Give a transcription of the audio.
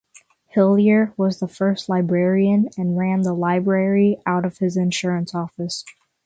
Hillyer was the first librarian and ran the library out of his insurance office.